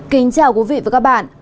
kính chào quý vị và các bạn